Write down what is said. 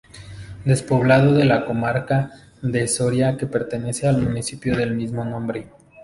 Despoblado de la Comarca de Soria que pertenece al municipio del mismo nombre.